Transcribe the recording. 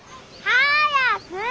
はやく！